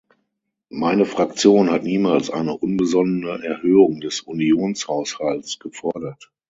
Meine Fraktion hat niemals eine unbesonnene Erhöhung des Unionshaushalts gefordert.